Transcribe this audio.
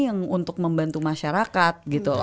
yang untuk membantu masyarakat